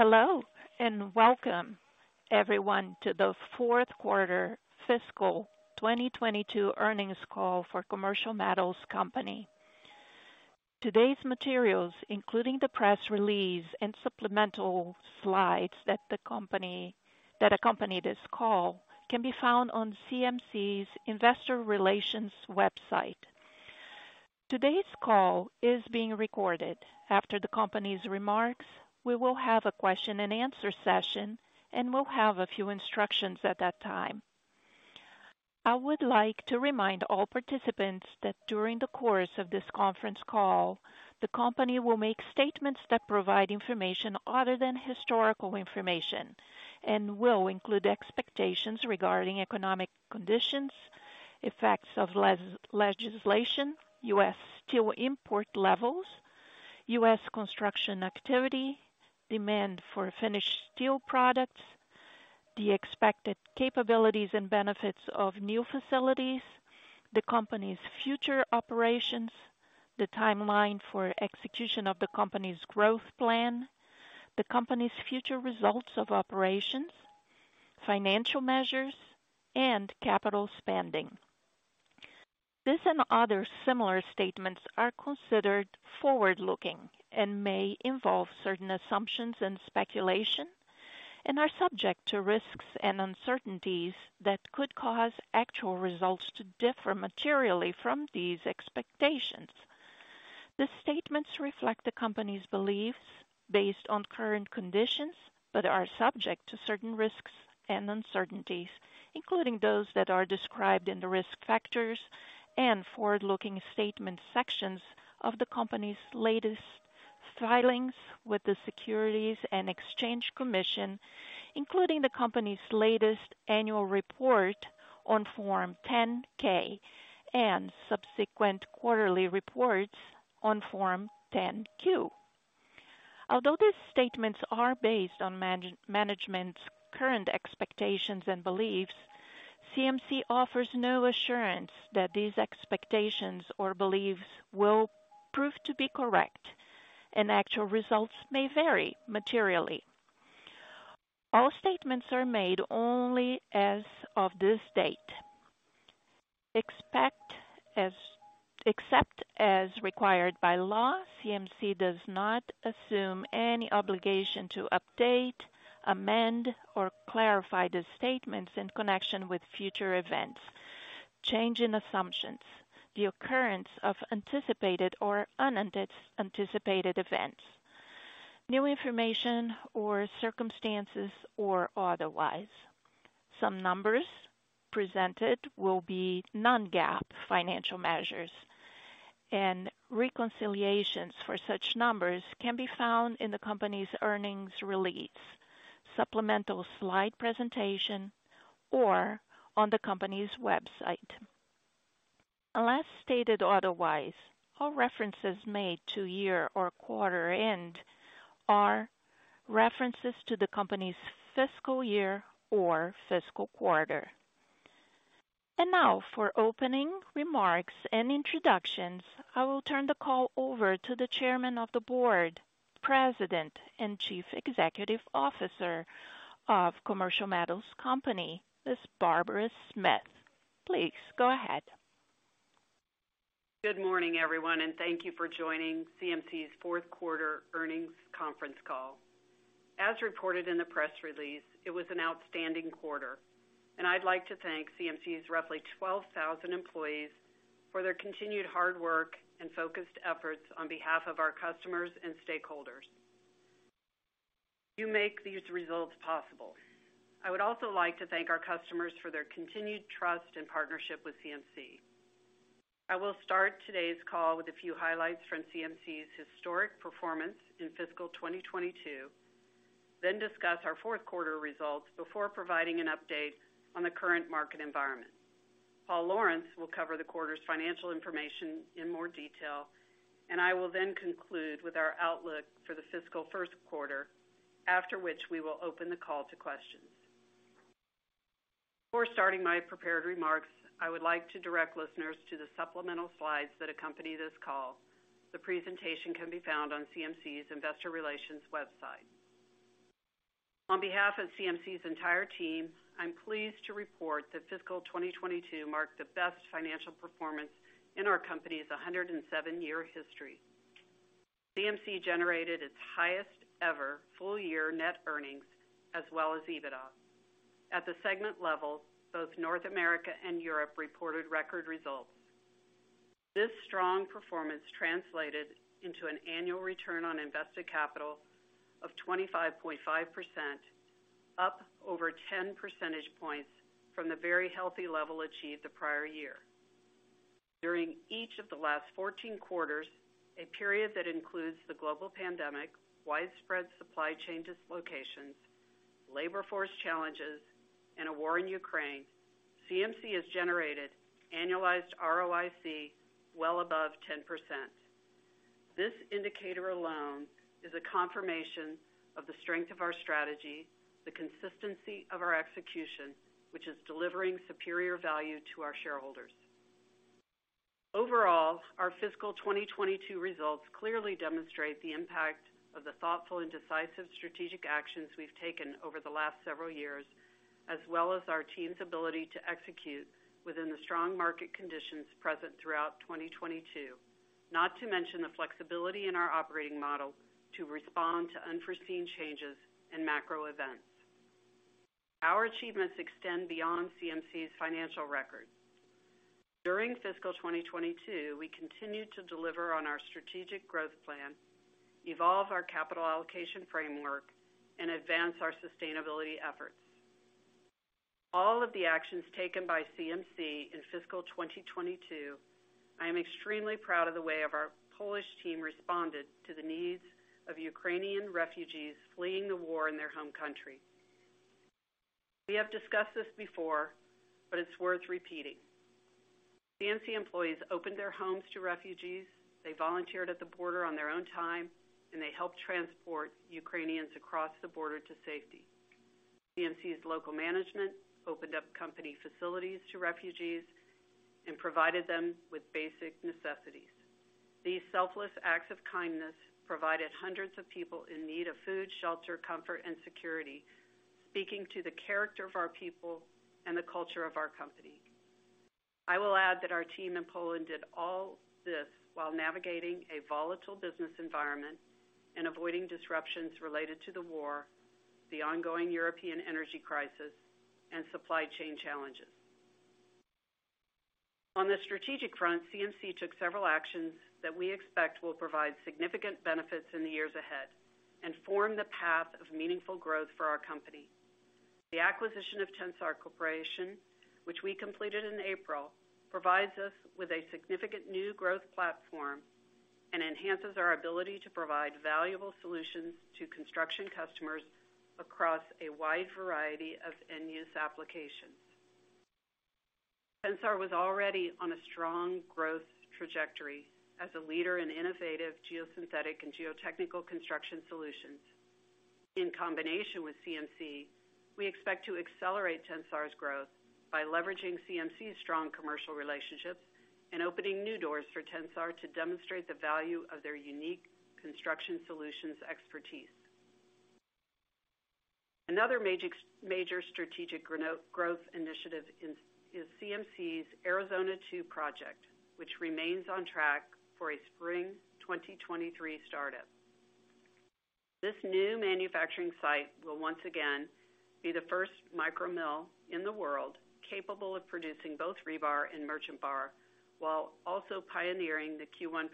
Hello, and welcome everyone to the fourth quarter fiscal 2022 earnings call for Commercial Metals Company. Today's materials, including the press release and supplemental slides that the company that accompany this call, can be found on CMC's investor relations website. Today's call is being recorded. After the company's remarks, we will have a question-and-answer session, and we'll have a few instructions at that time. I would like to remind all participants that during the course of this conference call, the company will make statements that provide information other than historical information and will include expectations regarding economic conditions, effects of legislation, U.S. steel import levels, U.S. construction activity, demand for finished steel products, the expected capabilities and benefits of new facilities, the company's future operations, the timeline for execution of the company's growth plan, the company's future results of operations, financial measures, and capital spending. This and other similar statements are considered forward-looking and may involve certain assumptions and speculation and are subject to risks and uncertainties that could cause actual results to differ materially from these expectations. The statements reflect the company's beliefs based on current conditions, but are subject to certain risks and uncertainties, including those that are described in the Risk Factors and Forward-Looking Statement sections of the company's latest filings with the Securities and Exchange Commission, including the company's latest annual report on Form 10-K and subsequent quarterly reports on Form 10-Q. Although these statements are based on management's current expectations and beliefs, CMC offers no assurance that these expectations or beliefs will prove to be correct, and actual results may vary materially. All statements are made only as of this date. Except as required by law, CMC does not assume any obligation to update, amend, or clarify the statements in connection with future events, change in assumptions, the occurrence of anticipated or unanticipated events, new information or circumstances or otherwise. Some numbers presented will be non-GAAP financial measures, and reconciliations for such numbers can be found in the company's earnings release, supplemental slide presentation, or on the company's website. Unless stated otherwise, all references made to year or quarter end are references to the company's fiscal year or fiscal quarter. Now for opening remarks and introductions, I will turn the call over to the Chairman of the Board, President, and Chief Executive Officer of Commercial Metals Company, Ms. Barbara Smith. Please go ahead. Good morning, everyone, and thank you for joining CMC's fourth quarter earnings conference call. As reported in the press release, it was an outstanding quarter, and I'd like to thank CMC's roughly 12,000 employees for their continued hard work and focused efforts on behalf of our customers and stakeholders. You make these results possible. I would also like to thank our customers for their continued trust and partnership with CMC. I will start today's call with a few highlights from CMC's historic performance in fiscal 2022, then discuss our fourth quarter results before providing an update on the current market environment. Paul Lawrence will cover the quarter's financial information in more detail, and I will then conclude with our outlook for the fiscal first quarter, after which we will open the call to questions. Before starting my prepared remarks, I would like to direct listeners to the supplemental slides that accompany this call. The presentation can be found on CMC's investor relations website. On behalf of CMC's entire team, I'm pleased to report that fiscal 2022 marked the best financial performance in our company's 107-year history. CMC generated its highest ever full-year net earnings as well as EBITDA. At the segment level, both North America and Europe reported record results. This strong performance translated into an annual return on invested capital of 25.5%, up over 10 percentage points from the very healthy level achieved the prior year. During each of the last 14 quarters, a period that includes the global pandemic, widespread supply chain dislocations, labor force challenges, and a war in Ukraine, CMC has generated annualized ROIC well above 10%. This indicator alone is a confirmation of the strength of our strategy, the consistency of our execution, which is delivering superior value to our shareholders. Overall, our fiscal 2022 results clearly demonstrate the impact of the thoughtful and decisive strategic actions we've taken over the last several years, as well as our team's ability to execute within the strong market conditions present throughout 2022. Not to mention the flexibility in our operating model to respond to unforeseen changes and macro events. Our achievements extend beyond CMC's financial record. During fiscal 2022, we continued to deliver on our strategic growth plan, evolve our capital allocation framework, and advance our sustainability efforts. All of the actions taken by CMC in fiscal 2022. I am extremely proud of the way our Polish team responded to the needs of Ukrainian refugees fleeing the war in their home country. We have discussed this before, but it's worth repeating. CMC employees opened their homes to refugees. They volunteered at the border on their own time, and they helped transport Ukrainians across the border to safety. CMC's local management opened up company facilities to refugees and provided them with basic necessities. These selfless acts of kindness provided hundreds of people in need of food, shelter, comfort, and security, speaking to the character of our people and the culture of our company. I will add that our team in Poland did all this while navigating a volatile business environment and avoiding disruptions related to the war, the ongoing European energy crisis, and supply chain challenges. On the strategic front, CMC took several actions that we expect will provide significant benefits in the years ahead and form the path of meaningful growth for our company. The acquisition of Tensar Corporation, which we completed in April, provides us with a significant new growth platform and enhances our ability to provide valuable solutions to construction customers across a wide variety of end use applications. Tensar was already on a strong growth trajectory as a leader in innovative geosynthetic and geotechnical construction solutions. In combination with CMC, we expect to accelerate Tensar's growth by leveraging CMC's strong commercial relationships and opening new doors for Tensar to demonstrate the value of their unique construction solutions expertise. Another major strategic growth initiative is CMC's Arizona 2 project, which remains on track for a spring 2023 startup. This new manufacturing site will once again be the first micro mill in the world capable of producing both rebar and merchant bar, while also pioneering the Q-Prime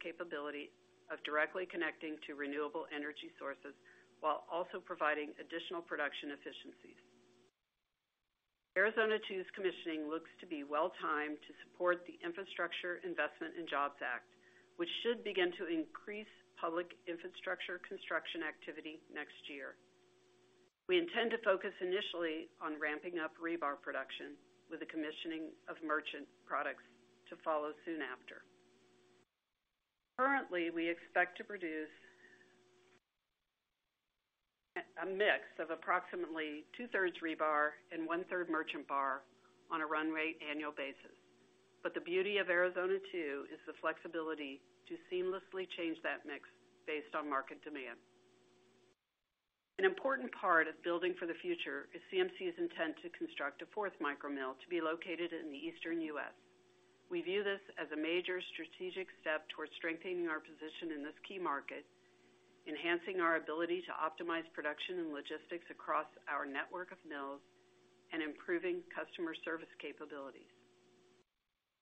capability of directly connecting to renewable energy sources, while also providing additional production efficiencies. Arizona 2's commissioning looks to be well-timed to support the Infrastructure Investment and Jobs Act, which should begin to increase public infrastructure construction activity next year. We intend to focus initially on ramping up rebar production with the commissioning of merchant products to follow soon after. Currently, we expect to produce a mix of approximately 2/3 rebar and 1/3 merchant bar on a run rate annual basis. The beauty of Arizona 2 is the flexibility to seamlessly change that mix based on market demand. An important part of building for the future is CMC's intent to construct a fourth micro mill to be located in the Eastern U.S. We view this as a major strategic step towards strengthening our position in this key market, enhancing our ability to optimize production and logistics across our network of mills, and improving customer service capabilities.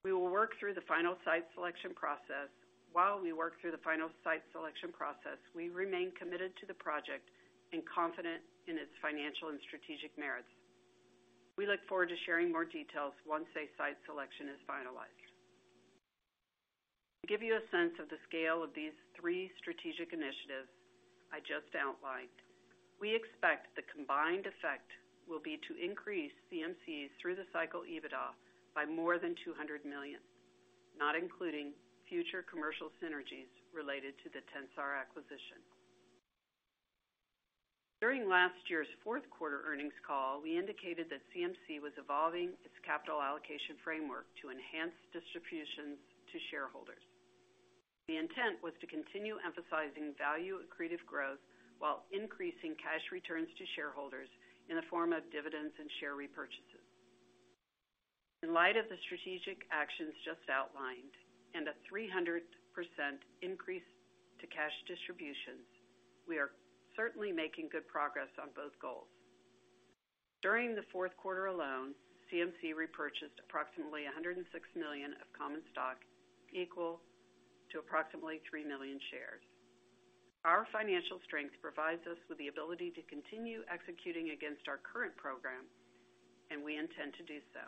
We will work through the final site selection process. While we work through the final site selection process, we remain committed to the project and confident in its financial and strategic merits. We look forward to sharing more details once a site selection is finalized. To give you a sense of the scale of these three strategic initiatives I just outlined, we expect the combined effect will be to increase CMC through the cycle EBITDA by more than $200 million, not including future commercial synergies related to the Tensar acquisition. During last year's fourth quarter earnings call, we indicated that CMC was evolving its capital allocation framework to enhance distributions to shareholders. The intent was to continue emphasizing value accretive growth while increasing cash returns to shareholders in the form of dividends and share repurchases. In light of the strategic actions just outlined and a 300% increase to cash distributions, we are certainly making good progress on both goals. During the fourth quarter alone, CMC repurchased approximately $106 million of common stock, equal to approximately 3 million shares. Our financial strength provides us with the ability to continue executing against our current program, and we intend to do so.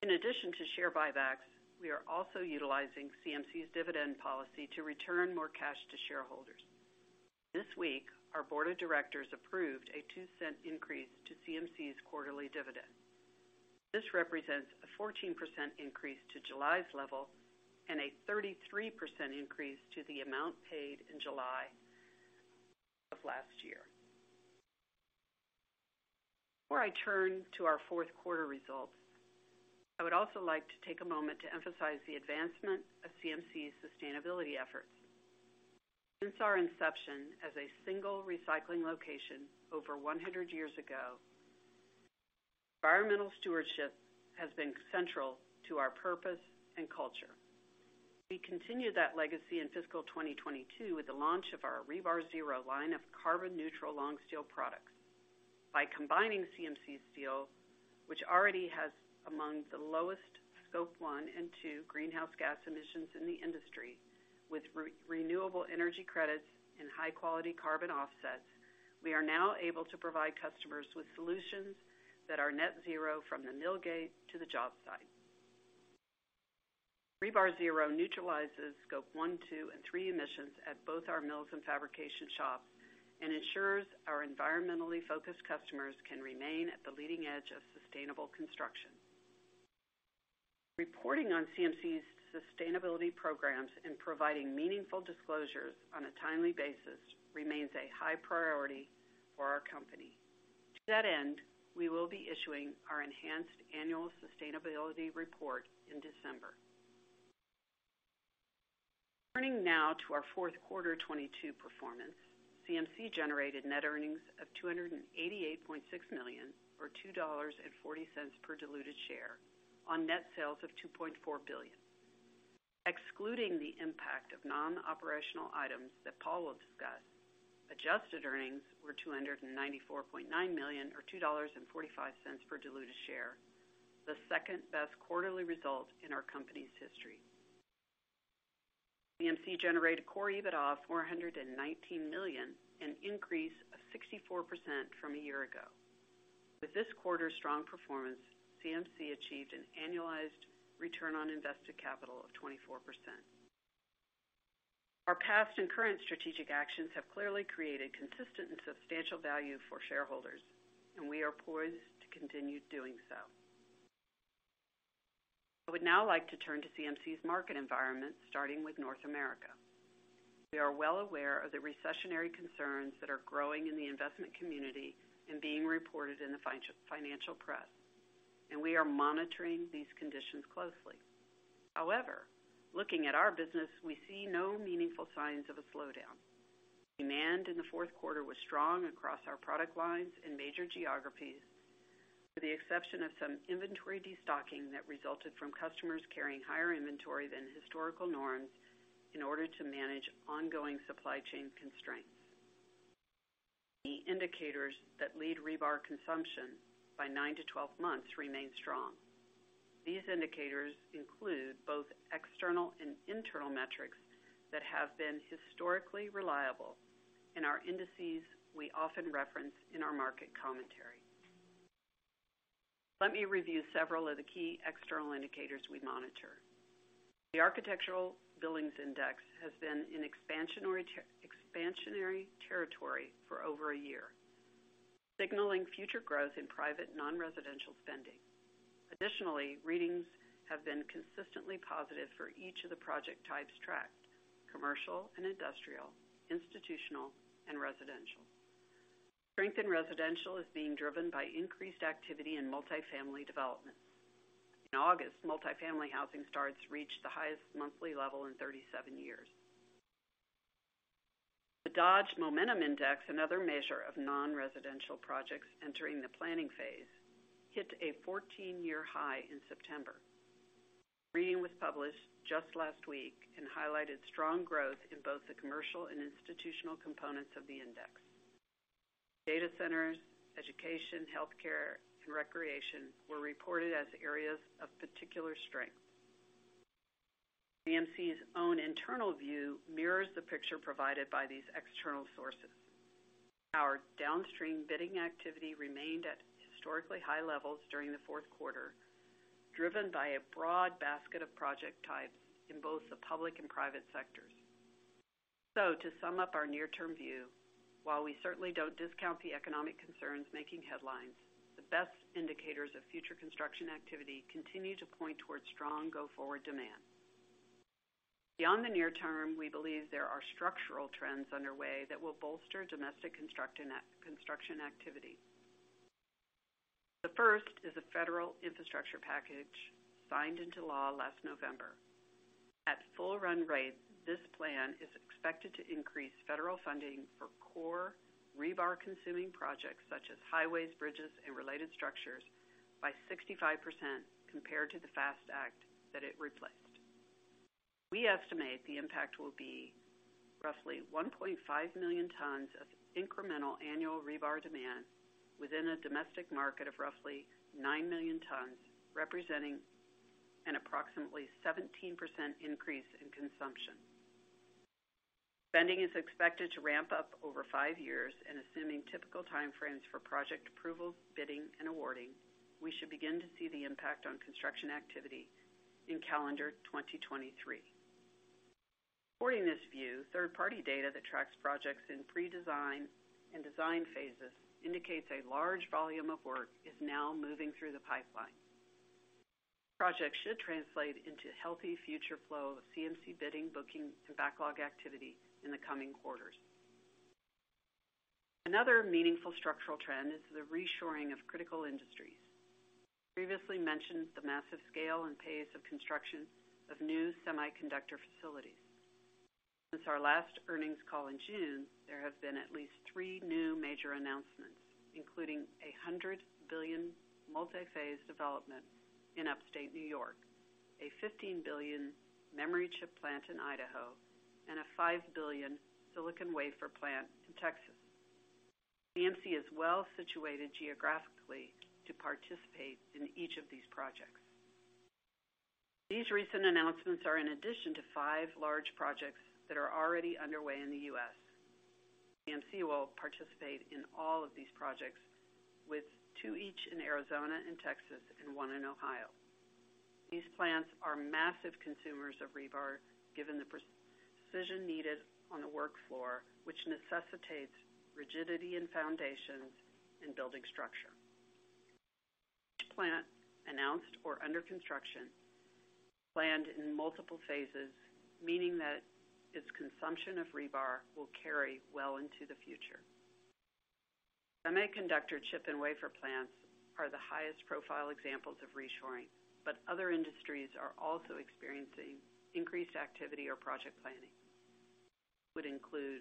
In addition to share buybacks, we are also utilizing CMC's dividend policy to return more cash to shareholders. This week, our board of directors approved a $0.02 increase to CMC's quarterly dividend. This represents a 14% increase to July's level and a 33% increase to the amount paid in July of last year. Before I turn to our fourth quarter results, I would also like to take a moment to emphasize the advancement of CMC's sustainability efforts. Since our inception as a single recycling location over 100 years ago, environmental stewardship has been central to our purpose and culture. We continued that legacy in fiscal 2022 with the launch of our RebarZero line of carbon neutral long steel products. By combining CMC steel, which already has among the lowest Scope 1 and 2 greenhouse gas emissions in the industry with renewable energy credits and high quality carbon offsets, we are now able to provide customers with solutions that are net zero from the mill gate to the job site. RebarZero neutralizes Scope 1, 2, and 3 emissions at both our mills and fabrication shops and ensures our environmentally focused customers can remain at the leading edge of sustainable construction. Reporting on CMC's sustainability programs and providing meaningful disclosures on a timely basis remains a high priority for our company. To that end, we will be issuing our enhanced annual sustainability report in December. Turning now to our fourth quarter 2022 performance. CMC generated net earnings of $288.6 million, or $2.40 per diluted share on net sales of $2.4 billion. Excluding the impact of non-operational items that Paul will discuss, adjusted earnings were $294.9 million, or $2.45 per diluted share, the second best quarterly result in our company's history. CMC generated core EBITDA of $419 million, an increase of 64% from a year ago. With this quarter's strong performance, CMC achieved an annualized return on invested capital of 24%. Our past and current strategic actions have clearly created consistent and substantial value for shareholders, and we are poised to continue doing so. I would now like to turn to CMC's market environment, starting with North America. We are well aware of the recessionary concerns that are growing in the investment community and being reported in the financial press, and we are monitoring these conditions closely. However, looking at our business, we see no meaningful signs of a slowdown. Demand in the fourth quarter was strong across our product lines and major geographies, with the exception of some inventory destocking that resulted from customers carrying higher inventory than historical norms in order to manage ongoing supply chain constraints. Key indicators that lead rebar consumption by 9-12 months remain strong. These indicators include both external and internal metrics that have been historically reliable and are indices we often reference in our market commentary. Let me review several of the key external indicators we monitor. The Architecture Billings Index has been in expansionary territory for over a year, signaling future growth in private, non-residential spending. Additionally, readings have been consistently positive for each of the project types tracked, commercial and industrial, institutional and residential. Strength in residential is being driven by increased activity in multifamily developments. In August, multifamily housing starts reached the highest monthly level in 37 years. The Dodge Momentum Index, another measure of nonresidential projects entering the planning phase, hit a 14-year high in September. Reading was published just last week and highlighted strong growth in both the commercial and institutional components of the index. Data centers, education, healthcare, and recreation were reported as areas of particular strength. CMC's own internal view mirrors the picture provided by these external sources. Our downstream bidding activity remained at historically high levels during the fourth quarter, driven by a broad basket of project types in both the public and private sectors. To sum up our near-term view, while we certainly don't discount the economic concerns making headlines, the best indicators of future construction activity continue to point towards strong go forward demand. Beyond the near term, we believe there are structural trends underway that will bolster domestic construction activity. The first is a federal infrastructure package signed into law last November. At full run rate, this plan is expected to increase federal funding for core rebar consuming projects such as highways, bridges, and related structures by 65% compared to the FAST Act that it replaced. We estimate the impact will be roughly 1.5 million tons of incremental annual rebar demand within a domestic market of roughly 9 million tons, representing an approximately 17% increase in consumption. Spending is expected to ramp up over 5 years, and assuming typical time frames for project approvals, bidding and awarding, we should begin to see the impact on construction activity in calendar 2023. Supporting this view, third party data that tracks projects in pre-design and design phases indicates a large volume of work is now moving through the pipeline. Projects should translate into healthy future flow of CMC bidding, booking, and backlog activity in the coming quarters. Another meaningful structural trend is the reshoring of critical industries. Previously mentioned the massive scale and pace of construction of new semiconductor facilities. Since our last earnings call in June, there have been at least 3 new major announcements, including a $100 billion multi-phase development in Upstate New York, a $15 billion memory chip plant in Idaho, and a $5 billion silicon wafer plant in Texas. CMC is well-situated geographically to participate in each of these projects. These recent announcements are in addition to 5 large projects that are already underway in the US. CMC will participate in all of these projects, with two each in Arizona and Texas, and one in Ohio. These plants are massive consumers of rebar, given the precision needed on the work floor, which necessitates rigidity in foundations and building structure. Each plant announced or under construction, planned in multiple phases, meaning that its consumption of rebar will carry well into the future. Semiconductor chip and wafer plants are the highest profile examples of reshoring, but other industries are also experiencing increased activity or project planning. Would include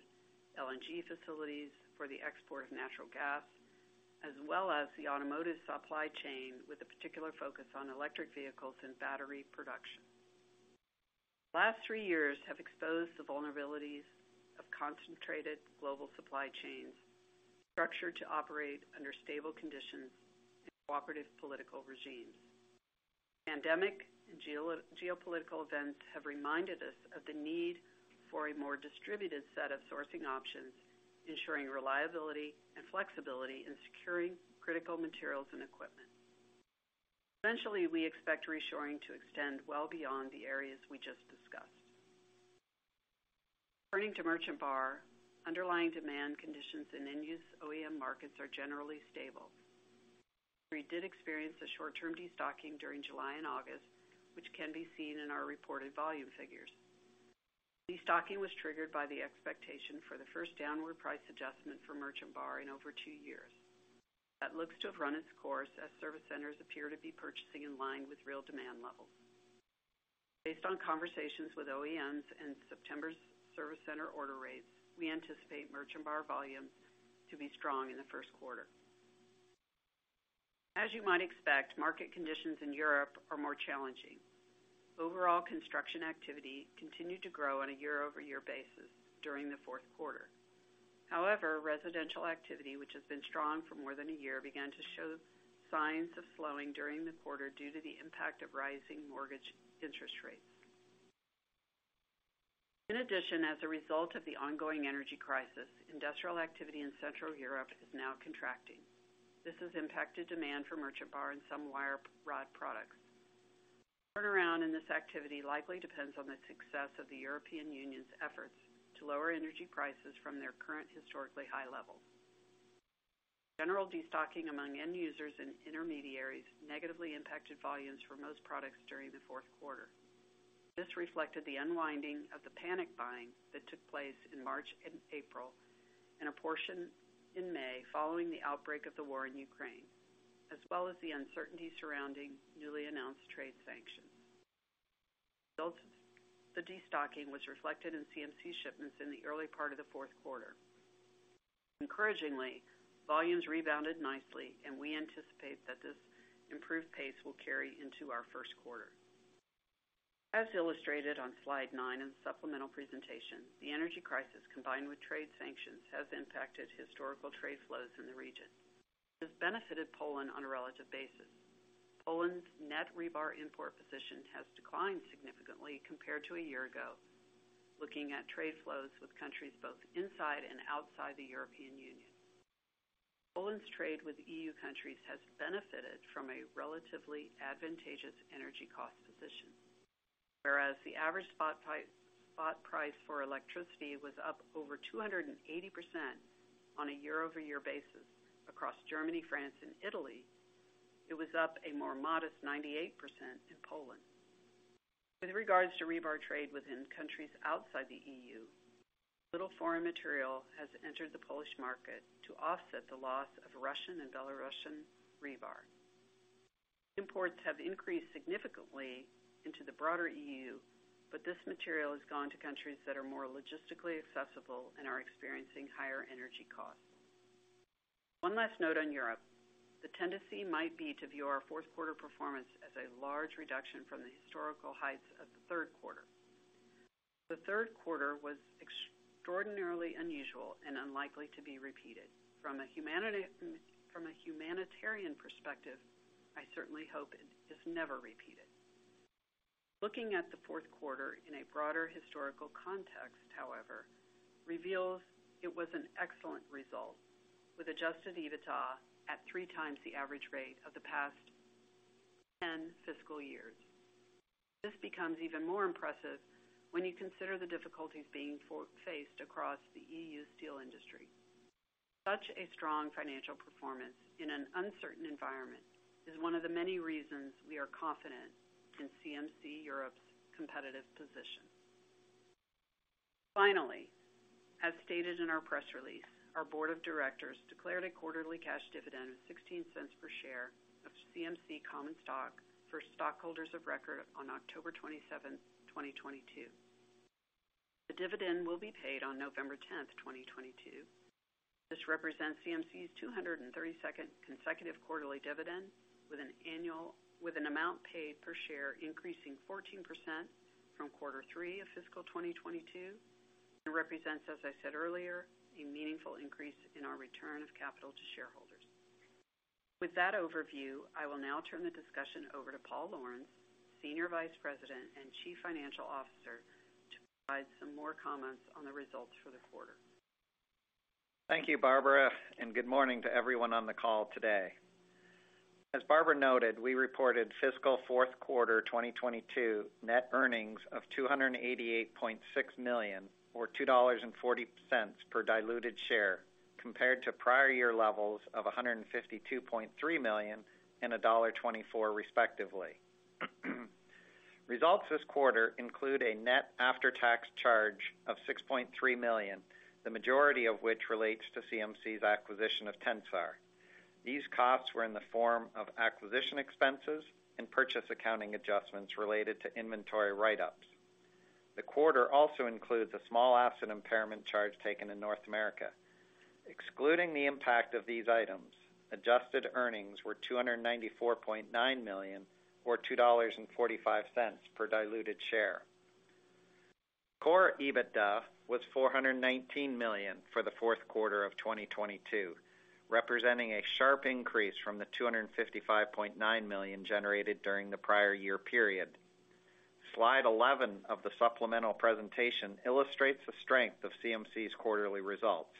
LNG facilities for the export of natural gas, as well as the automotive supply chain, with a particular focus on electric vehicles and battery production. Last three years have exposed the vulnerabilities of concentrated global supply chains structured to operate under stable conditions in cooperative political regimes. Pandemic and geopolitical events have reminded us of the need for a more distributed set of sourcing options, ensuring reliability and flexibility in securing critical materials and equipment. Eventually, we expect reshoring to extend well beyond the areas we just discussed. Turning to merchant bar, underlying demand conditions in end-use OEM markets are generally stable. We did experience a short-term destocking during July and August, which can be seen in our reported volume figures. Destocking was triggered by the expectation for the first downward price adjustment for merchant bar in over two years. That looks to have run its course as service centers appear to be purchasing in line with real demand levels. Based on conversations with OEMs and September's service center order rates, we anticipate merchant bar volumes to be strong in the first quarter. As you might expect, market conditions in Europe are more challenging. Overall construction activity continued to grow on a year-over-year basis during the fourth quarter. However, residential activity, which has been strong for more than a year, began to show signs of slowing during the quarter due to the impact of rising mortgage interest rates. In addition, as a result of the ongoing energy crisis, industrial activity in Central Europe is now contracting. This has impacted demand for merchant bar and some wire rod products. Turnaround in this activity likely depends on the success of the European Union's efforts to lower energy prices from their current historically high levels. General destocking among end users and intermediaries negatively impacted volumes for most products during the fourth quarter. This reflected the unwinding of the panic buying that took place in March and April, and a portion in May following the outbreak of the war in Ukraine, as well as the uncertainty surrounding newly announced trade sanctions. Results of the destocking was reflected in CMC shipments in the early part of the fourth quarter. Encouragingly, volumes rebounded nicely, and we anticipate that this improved pace will carry into our first quarter. As illustrated on slide nine in supplemental presentation, the energy crisis, combined with trade sanctions, has impacted historical trade flows in the region. This benefited Poland on a relative basis. Poland's net rebar import position has declined significantly compared to a year ago. Looking at trade flows with countries both inside and outside the European Union. Poland's trade with EU countries has benefited from a relatively advantageous energy cost position. The average spot price for electricity was up over 280% on a year-over-year basis across Germany, France, and Italy, it was up a more modest 98% in Poland. With regards to rebar trade within countries outside the EU, little foreign material has entered the Polish market to offset the loss of Russian and Belarusian rebar. Imports have increased significantly into the broader EU, but this material has gone to countries that are more logistically accessible and are experiencing higher energy costs. One last note on Europe. The tendency might be to view our fourth quarter performance as a large reduction from the historical heights of the third quarter. The third quarter was extraordinarily unusual and unlikely to be repeated. From a humanitarian perspective, I certainly hope it is never repeated. Looking at the fourth quarter in a broader historical context, however, reveals it was an excellent result, with adjusted EBITDA at three times the average rate of the past ten fiscal years. This becomes even more impressive when you consider the difficulties being faced across the EU steel industry. Such a strong financial performance in an uncertain environment is one of the many reasons we are confident in CMC Europe's competitive position. Finally, as stated in our press release, our board of directors declared a quarterly cash dividend of $0.16 per share of CMC common stock for stockholders of record on October 27, 2022. The dividend will be paid on November 10, 2022. This represents CMC's 232nd consecutive quarterly dividend, with an amount paid per share increasing 14% from quarter three of fiscal 2022, and represents, as I said earlier, a meaningful increase in our return of capital to shareholders. With that overview, I will now turn the discussion over to Paul Lawrence, Senior Vice President and Chief Financial Officer, to provide some more comments on the results for the quarter. Thank you, Barbara, and good morning to everyone on the call today. As Barbara noted, we reported fiscal fourth quarter 2022 net earnings of $288.6 million, or $2.40 per diluted share, compared to prior year levels of $152.3 million and $1.24, respectively. Results this quarter include a net after-tax charge of $6.3 million, the majority of which relates to CMC's acquisition of Tensar. These costs were in the form of acquisition expenses and purchase accounting adjustments related to inventory write-ups. The quarter also includes a small asset impairment charge taken in North America. Excluding the impact of these items, adjusted earnings were $294.9 million, or $2.45 per diluted share. Core EBITDA was $419 million for the fourth quarter of 2022, representing a sharp increase from the $255.9 million generated during the prior year period. Slide eleven of the supplemental presentation illustrates the strength of CMC's quarterly results.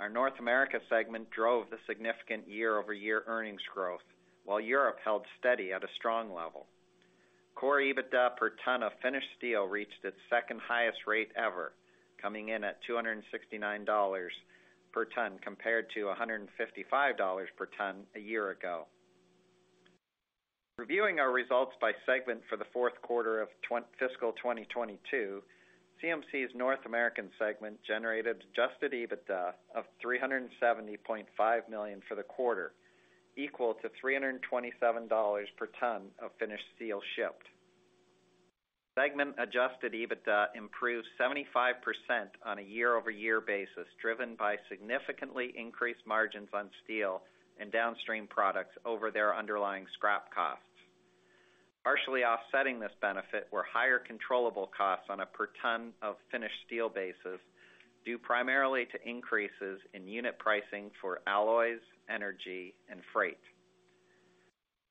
Our North America segment drove the significant year-over-year earnings growth, while Europe held steady at a strong level. Core EBITDA per ton of finished steel reached its second-highest rate ever, coming in at $269 per ton, compared to $155 per ton a year ago. Reviewing our results by segment for the fourth quarter of fiscal 2022, CMC's North American segment generated adjusted EBITDA of $370.5 million for the quarter, equal to $327 per ton of finished steel shipped. Segment-adjusted EBITDA improved 75% on a year-over-year basis, driven by significantly increased margins on steel and downstream products over their underlying scrap costs. Partially offsetting this benefit were higher controllable costs on a per ton of finished steel basis, due primarily to increases in unit pricing for alloys, energy, and freight.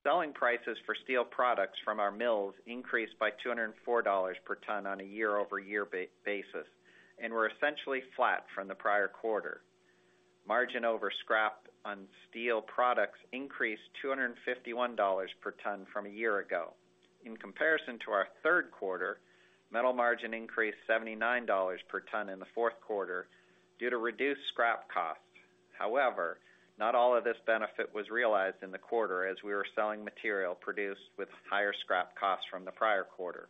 Selling prices for steel products from our mills increased by $204 per ton on a year-over-year basis, and were essentially flat from the prior quarter. Margin over scrap on steel products increased $251 per ton from a year ago. In comparison to our third quarter, metal margin increased $79 per ton in the fourth quarter due to reduced scrap costs. However, not all of this benefit was realized in the quarter as we were selling material produced with higher scrap costs from the prior quarter.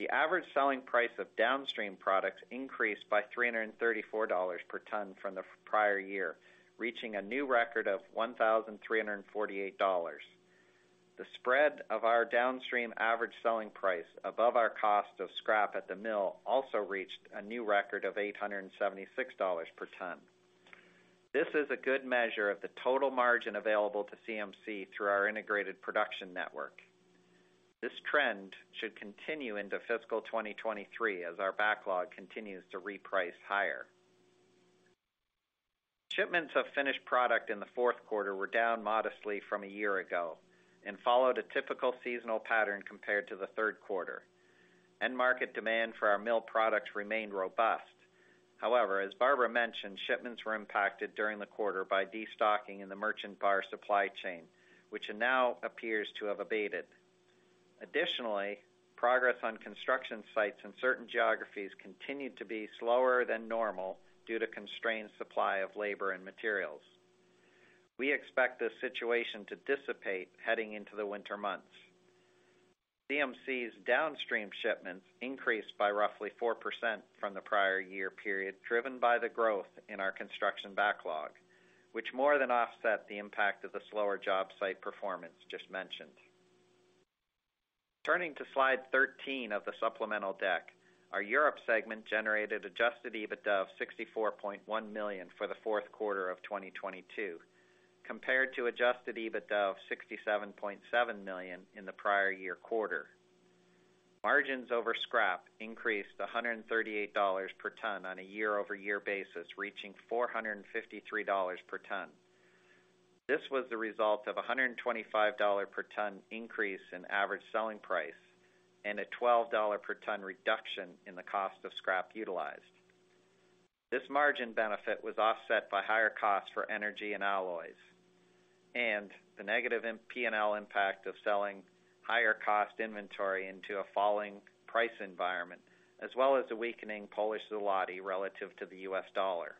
The average selling price of downstream products increased by $334 per ton from the prior year, reaching a new record of $1,348. The spread of our downstream average selling price above our cost of scrap at the mill also reached a new record of $876 per ton. This is a good measure of the total margin available to CMC through our integrated production network. This trend should continue into fiscal 2023 as our backlog continues to reprice higher. Shipments of finished product in the fourth quarter were down modestly from a year ago and followed a typical seasonal pattern compared to the third quarter. End market demand for our mill products remained robust. However, as Barbara mentioned, shipments were impacted during the quarter by destocking in the merchant bar supply chain, which now appears to have abated. Additionally, progress on construction sites in certain geographies continued to be slower than normal due to constrained supply of labor and materials. We expect this situation to dissipate heading into the winter months. CMC's downstream shipments increased by roughly 4% from the prior year period, driven by the growth in our construction backlog, which more than offset the impact of the slower job site performance just mentioned. Turning to slide 13 of the supplemental deck, our Europe segment generated adjusted EBITDA of $64.1 million for the fourth quarter of 2022, compared to adjusted EBITDA of $67.7 million in the prior year quarter. Margins over scrap increased $138 per ton on a year-over-year basis, reaching $453 per ton. This was the result of a $125 per ton increase in average selling price and a $12 per ton reduction in the cost of scrap utilized. This margin benefit was offset by higher costs for energy and alloys, and the negative P&L impact of selling higher cost inventory into a falling price environment, as well as the weakening Polish zloty relative to the US dollar.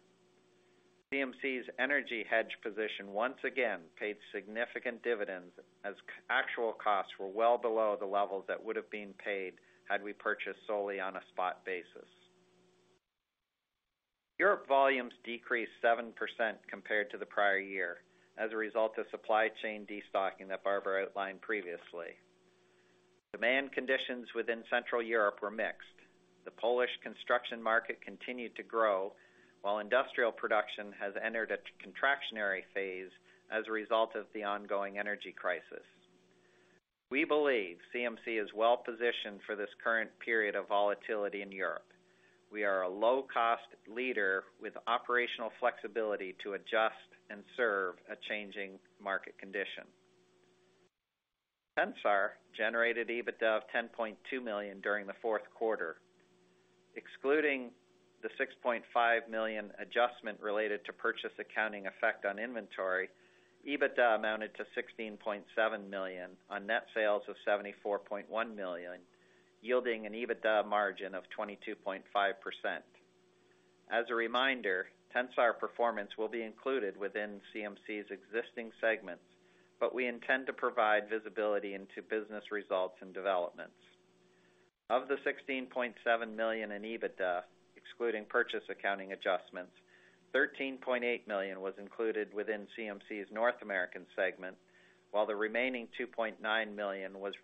CMC's energy hedge position once again paid significant dividends as actual costs were well below the levels that would have been paid had we purchased solely on a spot basis. Europe volumes decreased 7% compared to the prior year as a result of supply chain destocking that Barbara outlined previously. Demand conditions within Central Europe were mixed. The Polish construction market continued to grow, while industrial production has entered a contractionary phase as a result of the ongoing energy crisis. We believe CMC is well-positioned for this current period of volatility in Europe. We are a low-cost leader with operational flexibility to adjust and serve a changing market condition. Tensar generated EBITDA of $10.2 million during the fourth quarter. Excluding the $6.5 million adjustment related to purchase accounting effect on inventory, EBITDA amounted to $16.7 million on net sales of $74.1 million, yielding an EBITDA margin of 22.5%. As a reminder, Tensar performance will be included within CMC's existing segments, but we intend to provide visibility into business results and developments. Of the $16.7 million in EBITDA, excluding purchase accounting adjustments, $13.8 million was included within CMC's North American segment, while the remaining $2.9 million was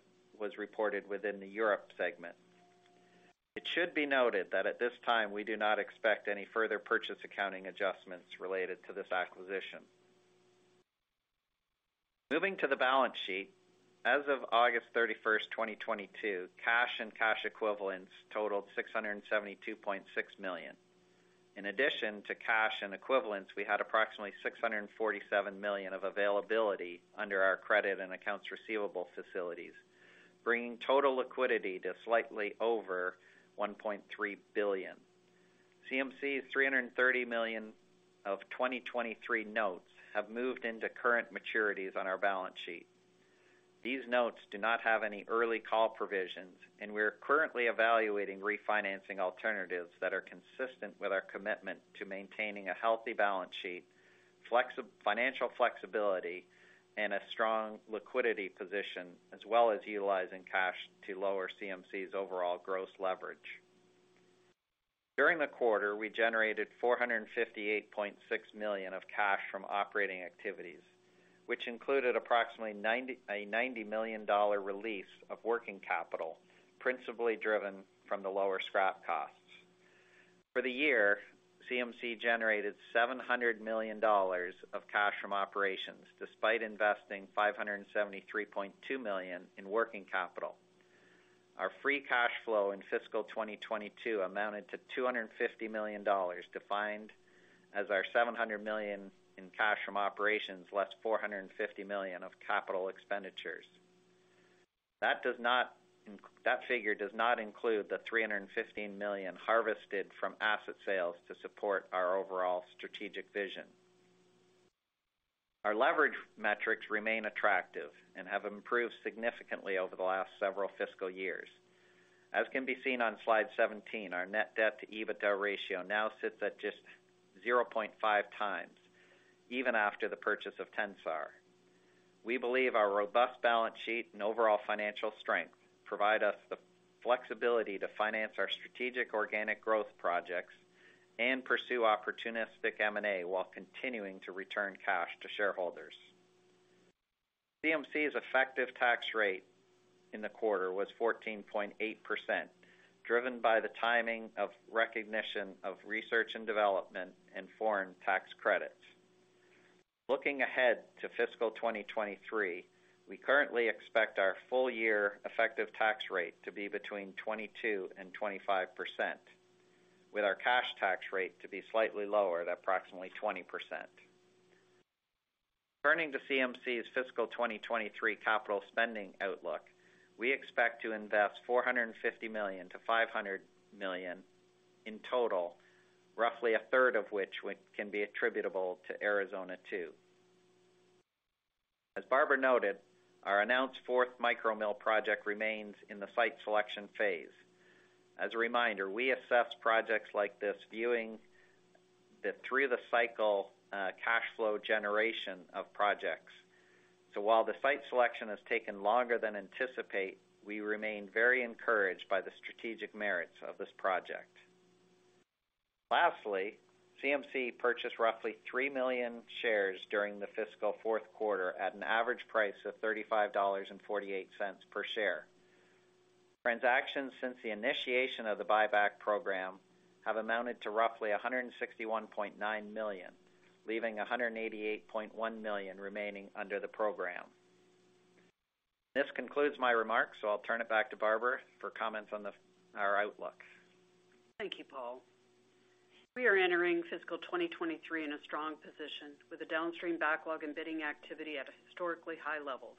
reported within the Europe segment. It should be noted that at this time, we do not expect any further purchase accounting adjustments related to this acquisition. Moving to the balance sheet. As of August 31, 2022, cash and cash equivalents totaled $672.6 million. In addition to cash and equivalents, we had approximately $647 million of availability under our credit and accounts receivable facilities, bringing total liquidity to slightly over $1.3 billion. CMC's $330 million of 2023 notes have moved into current maturities on our balance sheet. These notes do not have any early call provisions, and we are currently evaluating refinancing alternatives that are consistent with our commitment to maintaining a healthy balance sheet, financial flexibility, and a strong liquidity position, as well as utilizing cash to lower CMC's overall gross leverage. During the quarter, we generated $458.6 million of cash from operating activities, which included approximately $90 million release of working capital, principally driven from the lower scrap costs. For the year, CMC generated $700 million of cash from operations, despite investing $573.2 million in working capital. Our free cash flow in fiscal 2022 amounted to $250 million, defined as our $700 million in cash from operations, less $450 million of capital expenditures. That figure does not include the $315 million harvested from asset sales to support our overall strategic vision. Our leverage metrics remain attractive and have improved significantly over the last several fiscal years. As can be seen on slide 17, our net debt to EBITDA ratio now sits at just 0.5x, even after the purchase of Tensar. We believe our robust balance sheet and overall financial strength provide us the flexibility to finance our strategic organic growth projects and pursue opportunistic M&A while continuing to return cash to shareholders. CMC's effective tax rate in the quarter was 14.8%, driven by the timing of recognition of research and development and foreign tax credits. Looking ahead to fiscal 2023, we currently expect our full year effective tax rate to be between 22%-25%, with our cash tax rate to be slightly lower at approximately 20%. Turning to CMC's fiscal 2023 capital spending outlook, we expect to invest $450 million-$500 million in total, roughly a third of which can be attributable to Arizona 2. As Barbara noted, our announced fourth micro mill project remains in the site selection phase. As a reminder, we assess projects like this viewing them through the cycle, cash flow generation of projects. While the site selection has taken longer than anticipated, we remain very encouraged by the strategic merits of this project. Lastly, CMC purchased roughly 3 million shares during the fiscal fourth quarter at an average price of $35.48 per share. Transactions since the initiation of the buyback program have amounted to roughly $161.9 million, leaving $188.1 million remaining under the program. This concludes my remarks, so I'll turn it back to Barbara for comments on our outlook. Thank you, Paul. We are entering fiscal 2023 in a strong position, with a downstream backlog and bidding activity at historically high levels,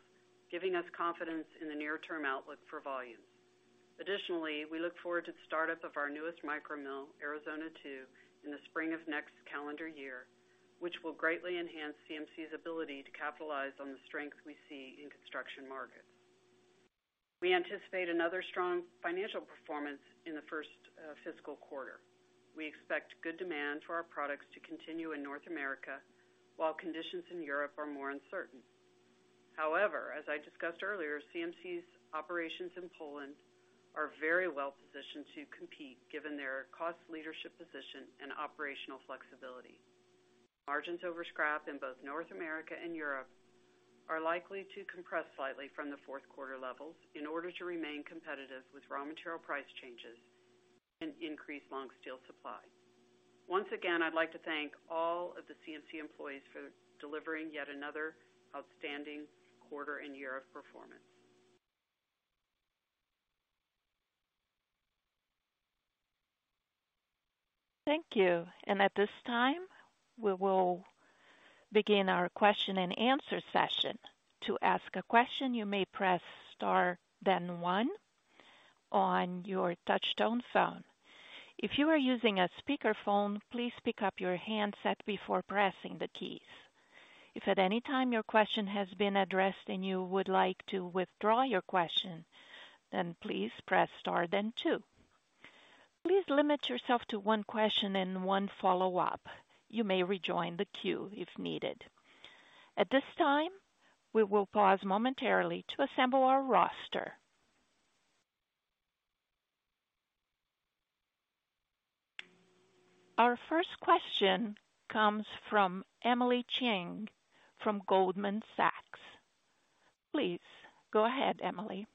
giving us confidence in the near-term outlook for volume. Additionally, we look forward to the startup of our newest micro mill, Arizona Two, in the spring of next calendar year, which will greatly enhance CMC's ability to capitalize on the strength we see in construction markets. We anticipate another strong financial performance in the first fiscal quarter. We expect good demand for our products to continue in North America, while conditions in Europe are more uncertain. However, as I discussed earlier, CMC's operations in Poland are very well-positioned to compete given their cost leadership position and operational flexibility. Margins over scrap in both North America and Europe are likely to compress slightly from the fourth quarter levels in order to remain competitive with raw material price changes and increase long steel supply. Once again, I'd like to thank all of the CMC employees for delivering yet another outstanding quarter and year of performance. Thank you. At this time, we will begin our question-and-answer session. To ask a question, you may press star then one on your touchtone phone. If you are using a speakerphone, please pick up your handset before pressing the keys. If at any time your question has been addressed and you would like to withdraw your question, then please press star then two. Please limit yourself to one question and one follow-up. You may rejoin the queue if needed. At this time, we will pause momentarily to assemble our roster. Our first question comes from Emily Chieng from Goldman Sachs. Please go ahead, Emily.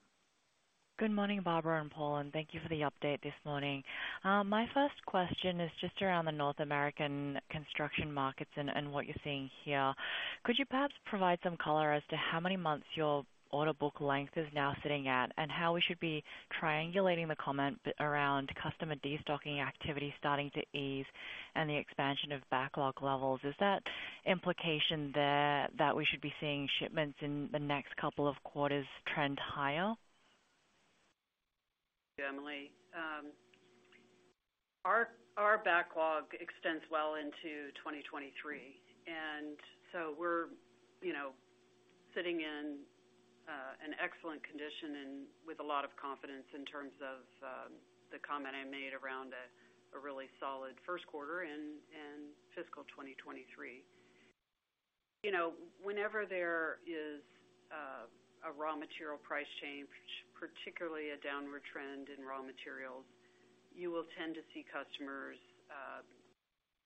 Good morning, Barbara and Paul, and thank you for the update this morning. My first question is just around the North American construction markets and what you're seeing here. Could you perhaps provide some color as to how many months your order book length is now sitting at, and how we should be triangulating the comment around customer destocking activity starting to ease and the expansion of backlog levels? Is that implication there that we should be seeing shipments in the next couple of quarters trend higher? Emily, our backlog extends well into 2023, and so we're, you know, sitting in an excellent condition and with a lot of confidence in terms of the comment I made around a really solid first quarter in fiscal 2023. You know, whenever there is a raw material price change, particularly a downward trend in raw materials, you will tend to see customers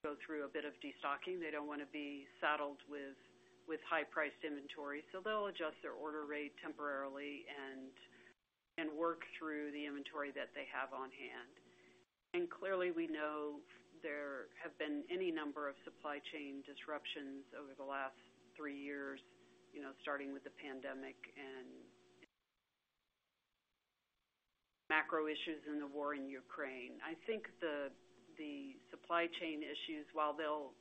go through a bit of destocking. They don't wanna be saddled with high-priced inventory, so they'll adjust their order rate temporarily and work through the inventory that they have on hand. Clearly, we know there have been any number of supply chain disruptions over the last three years, you know, starting with the pandemic and macro issues in the war in Ukraine. I think the supply chain issues, while they'll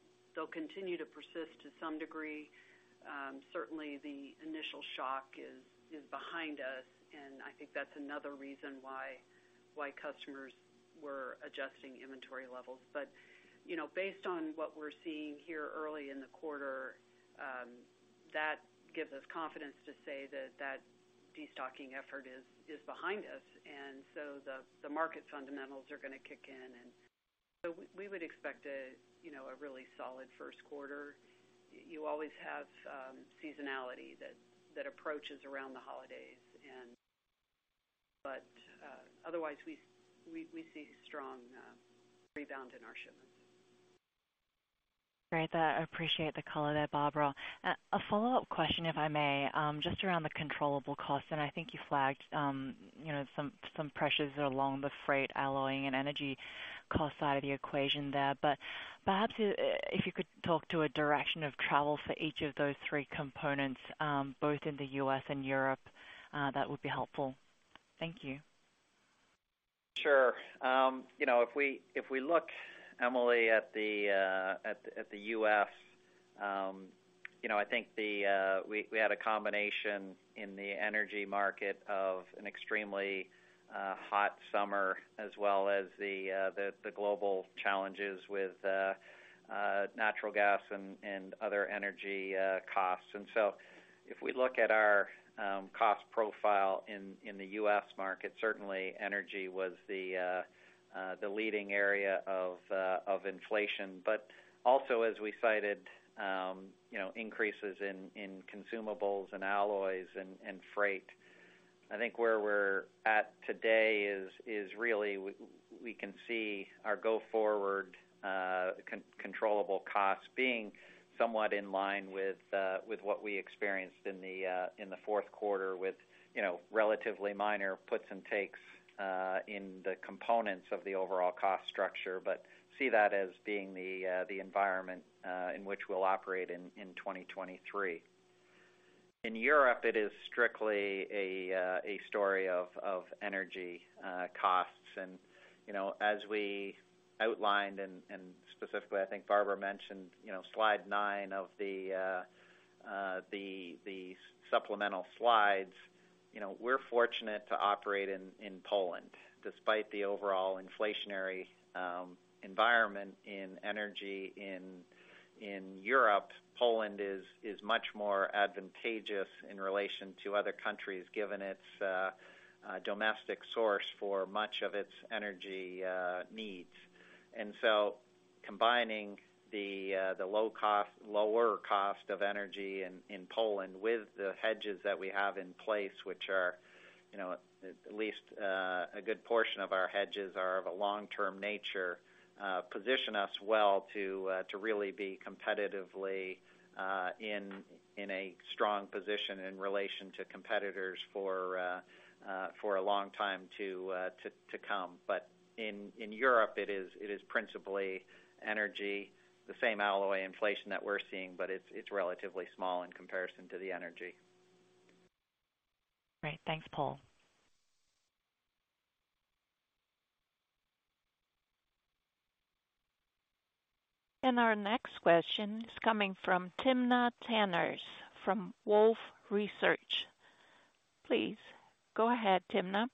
continue to persist to some degree, certainly the initial shock is behind us, and I think that's another reason why customers were adjusting inventory levels. You know, based on what we're seeing here early in the quarter, that gives us confidence to say that that destocking effort is behind us. The market fundamentals are gonna kick in. We would expect a you know really solid first quarter. You always have seasonality that approaches around the holidays. Otherwise, we see strong rebound in our shipments. Great. Appreciate the color there, Barbara. A follow-up question, if I may, just around the controllable costs, and I think you flagged, you know, some pressures along the freight, alloying, and energy cost side of the equation there. Perhaps if you could talk to a direction of travel for each of those three components, both in the U.S. and Europe, that would be helpful. Thank you. Sure. You know, if we look, Emily, at the U.S., you know, I think we had a combination in the energy market of an extremely hot summer as well as the global challenges with natural gas and other energy costs. If we look at our cost profile in the U.S. market, certainly energy was the leading area of inflation, but also as we cited, you know, increases in consumables and alloys and freight. I think where we're at today is really we can see our go forward controllable costs being somewhat in line with what we experienced in the fourth quarter with you know relatively minor puts and takes in the components of the overall cost structure, but see that as being the environment in which we'll operate in 2023. In Europe, it is strictly a story of energy costs and You know, as we outlined and specifically, I think Barbara mentioned, you know, slide nine of the supplemental slides. You know, we're fortunate to operate in Poland, despite the overall inflationary environment in energy in Europe. Poland is much more advantageous in relation to other countries, given its domestic source for much of its energy needs. Combining the lower cost of energy in Poland with the hedges that we have in place, which are, you know, at least a good portion of our hedges are of a long-term nature, position us well to really be competitively in a strong position in relation to competitors for a long time to come. In Europe, it is principally energy, the same alloy inflation that we're seeing, but it's relatively small in comparison to the energy. Great. Thanks, Paul. Our next question is coming from Timna Tanners from Wolfe Research. Please go ahead, Timna.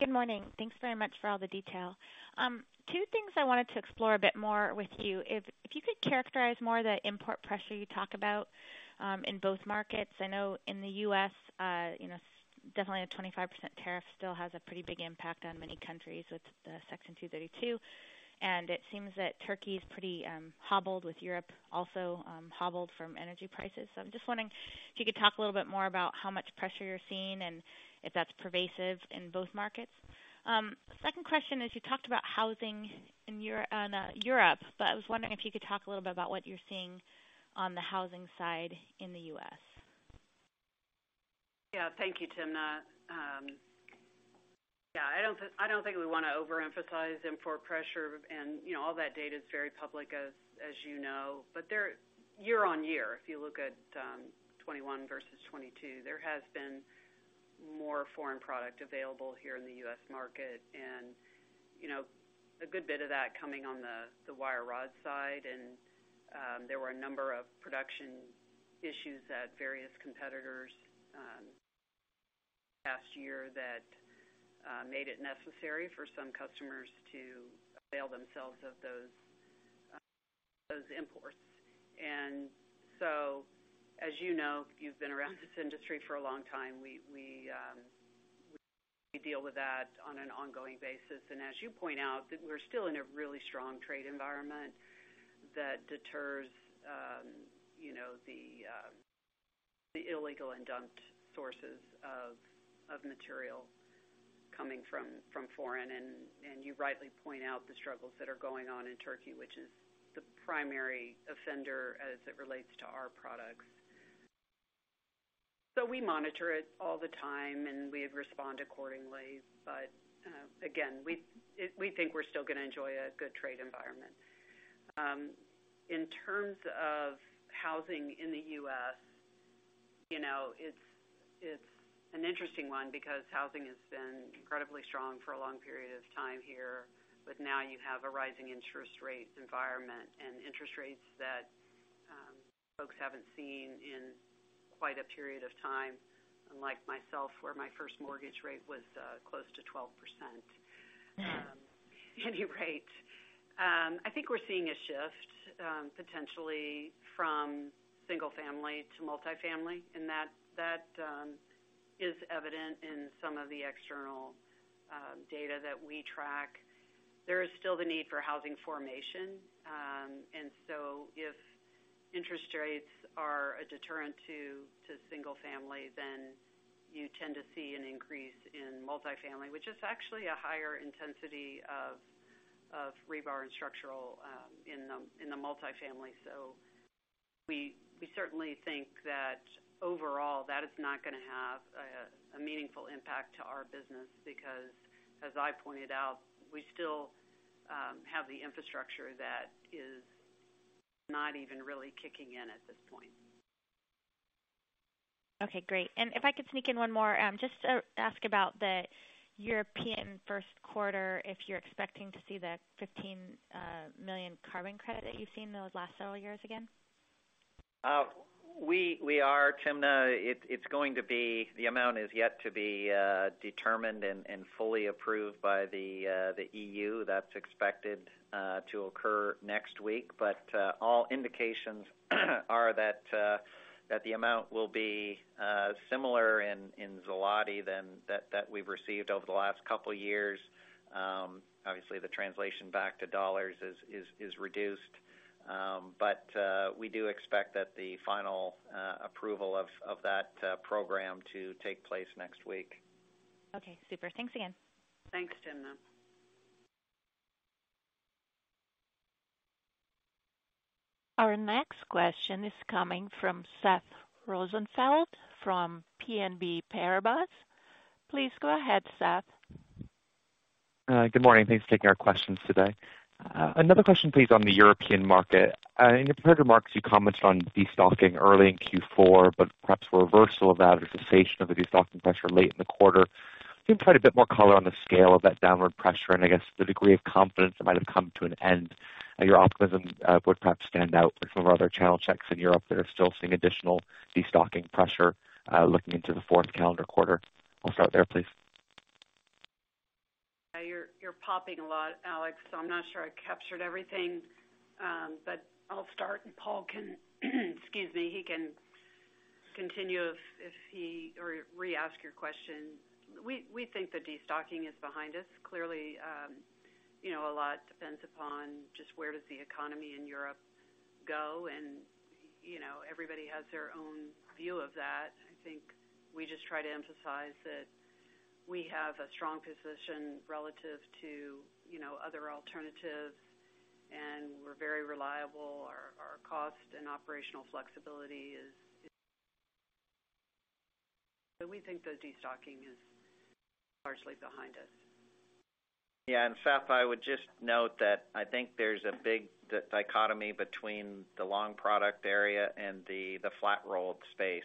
Good morning. Thanks very much for all the detail. Two things I wanted to explore a bit more with you. If you could characterize more the import pressure you talk about in both markets. I know in the U.S., you know, definitely a 25% tariff still has a pretty big impact on many countries with the Section 232, and it seems that Turkey is pretty hobbled with Europe also hobbled from energy prices. I'm just wondering if you could talk a little bit more about how much pressure you're seeing and if that's pervasive in both markets. Second question is you talked about housing in Europe, but I was wondering if you could talk a little bit about what you're seeing on the housing side in the U.S. Yeah. Thank you, Timna. Yeah, I don't think we wanna overemphasize import pressure. You know, all that data is very public as you know. There, year on year, if you look at 2021 versus 2022, there has been more foreign product available here in the U.S. market, and you know, a good bit of that coming on the wire rod side. There were a number of production issues at various competitors last year that made it necessary for some customers to avail themselves of those imports. As you know, you've been around this industry for a long time, we deal with that on an ongoing basis. As you point out, that we're still in a really strong trade environment that deters the illegal and dumped sources of material coming from foreign. You rightly point out the struggles that are going on in Turkey, which is the primary offender as it relates to our products. We monitor it all the time, and we respond accordingly. Again, we think we're still gonna enjoy a good trade environment. In terms of housing in the U.S., you know, it's an interesting one because housing has been incredibly strong for a long period of time here. Now you have a rising interest rate environment and interest rates that folks haven't seen in quite a period of time. Unlike myself, where my first mortgage rate was close to 12%. At any rate, I think we're seeing a shift potentially from single-family to multifamily, and that is evident in some of the external data that we track. There is still the need for housing formation. If interest rates are a deterrent to single-family, then you tend to see an increase in multifamily, which is actually a higher intensity of rebar and structural in the multifamily. We certainly think that overall that is not gonna have a meaningful impact to our business because, as I pointed out, we still have the infrastructure that is not even really kicking in at this point. Okay, great. If I could sneak in one more, just to ask about the European first quarter, if you're expecting to see the $15 million carbon credit that you've seen those last several years again? We are, Timna. The amount is yet to be determined and fully approved by the EU. That's expected to occur next week. All indications are that the amount will be similar in zloty than that we've received over the last couple years. Obviously, the translation back to dollars is reduced. We do expect that the final approval of that program to take place next week. Okay, super. Thanks again. Thanks, Timna. Our next question is coming from Seth Rosenfeld from BNP Paribas. Please go ahead, Seth. Good morning. Thanks for taking our questions today. Another question please, on the European market. In prepared remarks, you commented on destocking early in Q4, but perhaps reversal of that or cessation of the destocking pressure late in the quarter. Can you provide a bit more color on the scale of that downward pressure and I guess, the degree of confidence that might have come to an end? Your optimism would perhaps stand out with some of our other channel checks in Europe that are still seeing additional destocking pressure, looking into the fourth calendar quarter. I'll stop there, please. You're popping a lot, Alex, so I'm not sure I captured everything. I'll start, excuse me, he can continue if he or re-ask your question. We think the destocking is behind us. Clearly, you know, a lot depends upon just where does the economy in Europe go, and, you know, everybody has their own view of that. I think we just try to emphasize that we have a strong position relative to, you know, other alternatives, and we're very reliable. We think the destocking is largely behind us. Yeah. Seth, I would just note that I think there's a big dichotomy between the long product area and the flat-rolled space.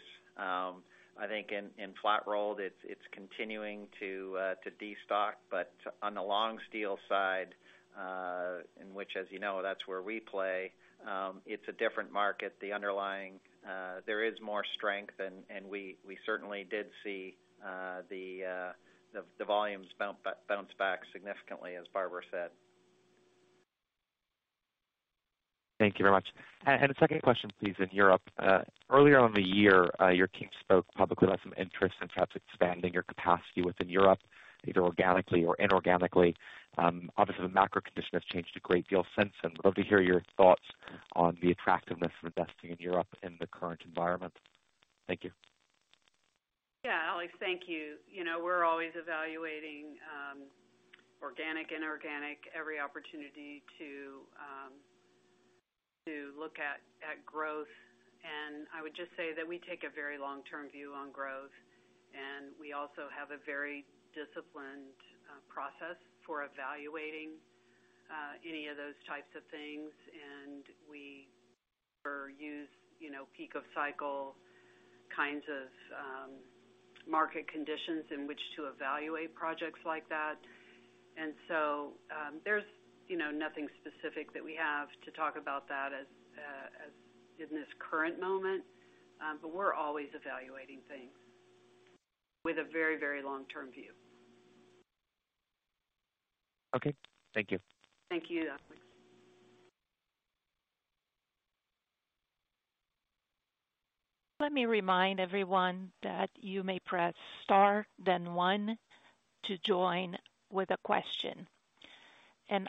I think in flat-rolled, it's continuing to destock, but on the long steel side, in which, as you know, that's where we play, it's a different market. The underlying there is more strength and we certainly did see the volumes bounce back significantly, as Barbara said. Thank you very much. A second question, please, in Europe. Earlier in the year, your team spoke publicly about some interest in perhaps expanding your capacity within Europe, either organically or inorganically. Obviously, the macro condition has changed a great deal since then. Love to hear your thoughts on the attractiveness of investing in Europe in the current environment. Thank you. Yeah, Alex, thank you. You know, we're always evaluating organic, inorganic, every opportunity to look at growth. I would just say that we take a very long-term view on growth, and we also have a very disciplined process for evaluating any of those types of things. We never use, you know, peak of cycle kinds of market conditions in which to evaluate projects like that. There's, you know, nothing specific that we have to talk about that as in this current moment. But we're always evaluating things with a very, very long-term view. Okay. Thank you. Thank you, Alex. Let me remind everyone that you may press star, then one to join with a question.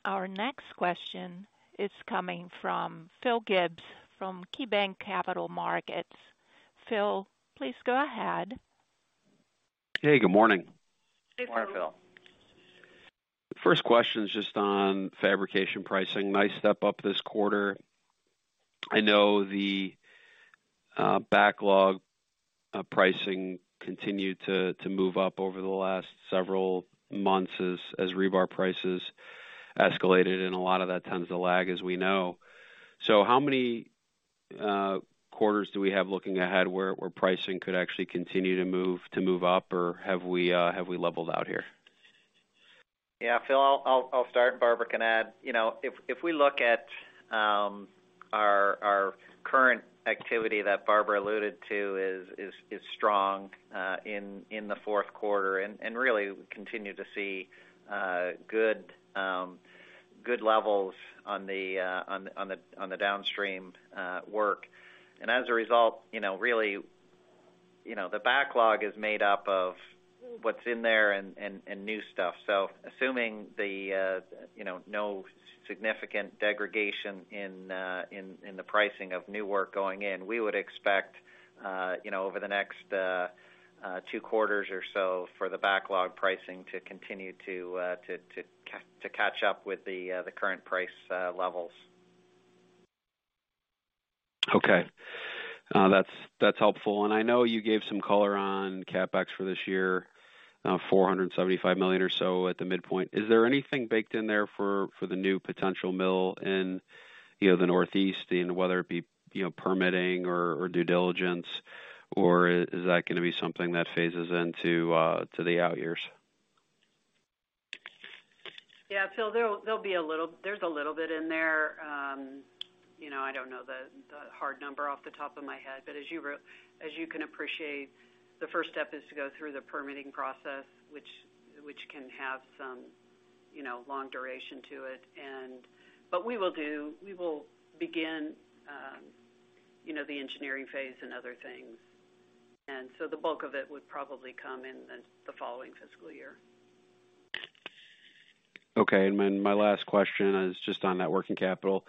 Our next question is coming from Philip Gibbs from KeyBanc Capital Markets. Phil, please go ahead. Hey, good morning. Good morning, Philip. First question is just on fabrication pricing. Nice step up this quarter. I know the backlog pricing continued to move up over the last several months as rebar prices escalated, and a lot of that tends to lag, as we know. How many quarters do we have looking ahead where pricing could actually continue to move up, or have we leveled out here? Yeah. Phil, I'll start, Barbara can add. You know, if we look at our current activity that Barbara alluded to is strong in the fourth quarter and really continue to see good levels on the downstream work. As a result, you know, really, you know, the backlog is made up of what's in there and new stuff. Assuming the, you know, no significant degradation in the pricing of new work going in, we would expect, you know, over the next two quarters or so for the backlog pricing to continue to catch up with the current price levels. Okay. That's helpful. I know you gave some color on CapEx for this year, $475 million or so at the midpoint. Is there anything baked in there for the new potential mill in the Northeast, whether it be permitting or due diligence, or is that gonna be something that phases into the out years? Yeah. Phil, there'll be a little bit in there. You know, I don't know the hard number off the top of my head, but as you can appreciate, the first step is to go through the permitting process, which can have some, you know, long duration to it. We will begin, you know, the engineering phase and other things. The bulk of it would probably come in the following fiscal year. Okay. Then my last question is just on net working capital.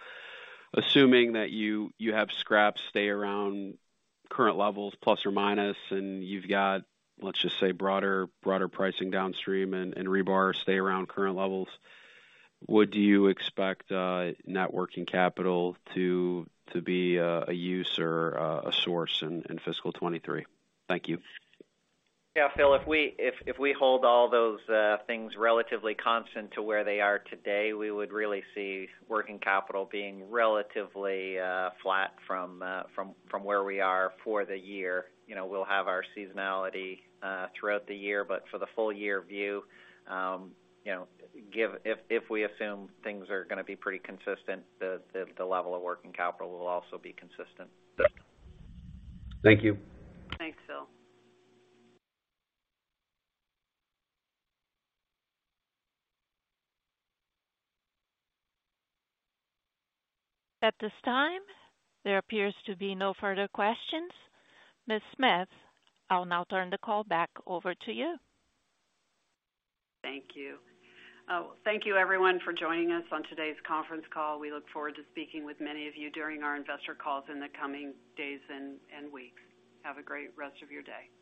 Assuming that you have scraps stay around current levels plus or minus, and you've got, let's just say, broader pricing downstream and rebar stay around current levels, would you expect net working capital to be a use or a source in fiscal 2023? Thank you. Yeah. Phil, if we hold all those things relatively constant to where they are today, we would really see working capital being relatively flat from where we are for the year. You know, we'll have our seasonality throughout the year, but for the full year view, you know, if we assume things are gonna be pretty consistent, the level of working capital will also be consistent. Thank you. Thanks, Phil. At this time, there appears to be no further questions. Ms. Smith, I'll now turn the call back over to you. Thank you. Oh, thank you everyone for joining us on today's conference call. We look forward to speaking with many of you during our investor calls in the coming days and weeks. Have a great rest of your day.